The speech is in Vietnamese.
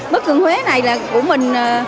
mức gần huế này là của mình